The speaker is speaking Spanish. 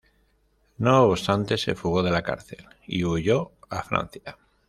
No obstante, se fugó de la cárcel y huyó a Francia.